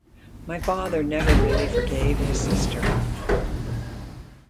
My father never really forgave his sister.